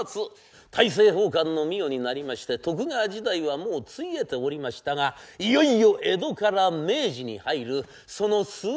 大政奉還の御代になりまして徳川時代はもうついえておりましたがいよいよ江戸から明治に入るその数日間のお物語。